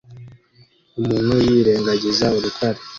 Umuntu yirengagiza urutare